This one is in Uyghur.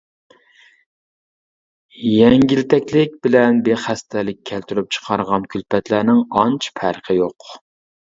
يەڭگىلتەكلىك بىلەن بىخەستەلىك كەلتۈرۈپ چىقارغان كۈلپەتلەرنىڭ ئانچە پەرقى يوق.